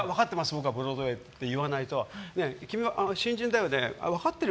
僕はブロードウェーって言わないと君は新人だよね分かってる？